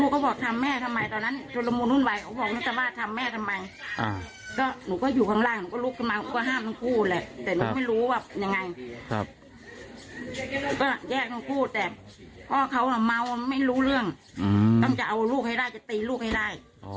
ก็บอกทั้งคู่แต่พ่อเขาเมาไม่รู้เรื่องต้องจะเอาลูกให้ได้จะตีลูกให้ได้